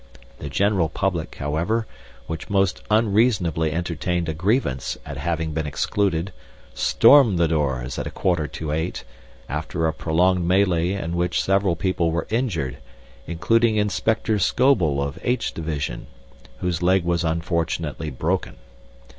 The general public, however, which most unreasonably entertained a grievance at having been excluded, stormed the doors at a quarter to eight, after a prolonged melee in which several people were injured, including Inspector Scoble of H. Division, whose leg was unfortunately broken.